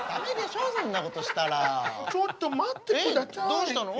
どうしたの？